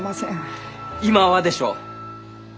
「今は」でしょ？